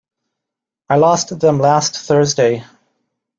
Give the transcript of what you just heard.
I lost them last Thursday.